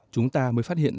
chúng ta mới phát hiện ra